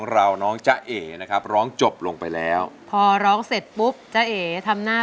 เรื่องที่ต่อแต่เป้าหมาย